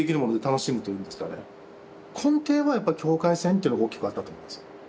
根底はやっぱ境界線っていうの大きくあったと思います。